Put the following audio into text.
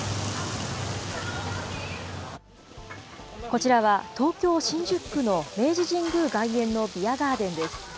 こちらは東京・新宿区の明治神宮外苑のビアガーデンです。